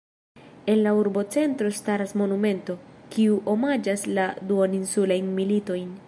En la urbocentro staras monumento, kiu omaĝas la duoninsulajn militojn.